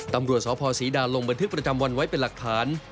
ตำรวจสพศรีดาลงบันทึกประจำวันไว้เป็นหลักฐาน